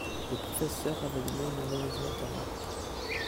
le professeur avait donné une mauvais note à Mark.